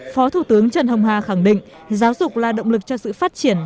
phó thủ tướng trần hồng hà khẳng định giáo dục là động lực cho sự phát triển